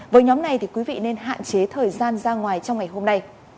với nhóm này thì quý vị nên hạn chế thời gian ra ngoài trong ngày hôm nay